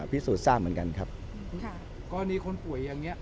พิสูจน์ทราบเหมือนกันครับค่ะกรณีคนป่วยอย่างเงี้